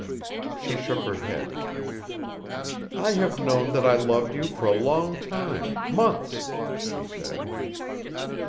She shook her head. "I have known that I loved you for a long time, months," she said.